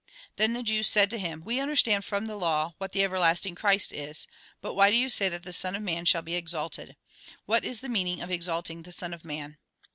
Then the Jews said to him :" We understand from the law what the everlasting Christ is ; but why do you say that the Son of Man shall be exalted ? What is the meaning of exalting the Son of Man